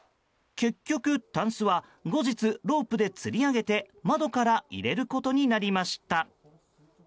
結局たんすは後日、ロープでつり上げて窓から入れることになりました。